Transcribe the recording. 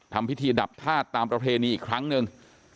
ทำพิธีดับธาตุตามประเพณีอีกครั้งหนึ่ง